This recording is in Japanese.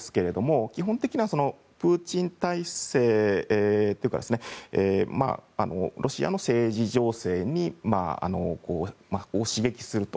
基本的にはプーチン体制というかロシアの政治情勢を刺激すると。